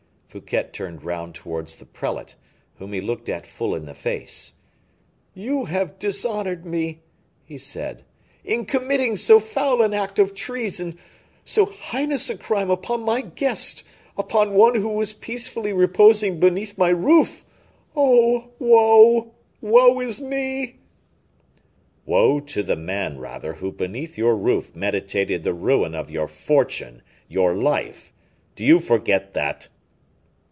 Fouquet turned round towards the prelate, whom he looked at full in the face. "You have dishonored me," he said, "in committing so foul an act of treason, so heinous a crime upon my guest, upon one who was peacefully reposing beneath my roof. Oh! woe, woe is me!" "Woe to the man, rather, who beneath your roof meditated the ruin of your fortune, your life. Do you forget that?"